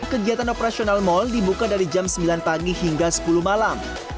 kegiatan operasional mal dibuka dari jam sembilan pagi hingga sepuluh malam